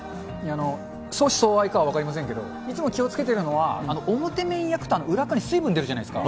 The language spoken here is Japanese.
相思相愛かは分かりませんけれども、いつも気をつけてるのは、表面焼くと、裏っ側に水分出るじゃないですか。